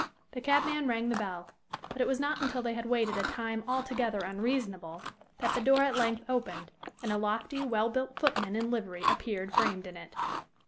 The cabman rang the bell, but it was not until they had waited a time altogether unreasonable that the door at length opened, and a lofty, well built footman in livery appeared framed in it.